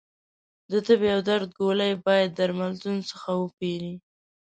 د تبې او درد ګولۍ باید درملتون څخه وپېری